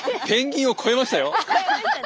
ペンギンを超えましたよ。